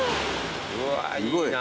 うわいいな。